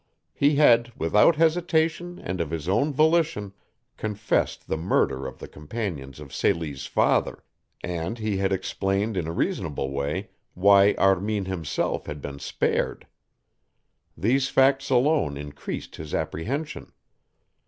He had, without hesitation and of his own volition, confessed the murder of the companions of Celie's father, and he had explained in a reasonable way why Armin himself had been spared. These facts alone increased his apprehension.